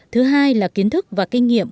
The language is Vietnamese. thứ hai là kiến thức và kinh nghiệm